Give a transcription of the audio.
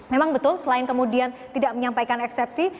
memang betul selain kemudian tidak menyampaikan eksepsi